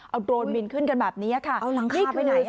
เอาโดรนหมินขึ้นกันแบบนี้ค่ะเอาหลังคาไปไหน